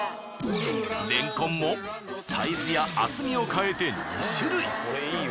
れんこんもサイズや厚みを変えて２種類。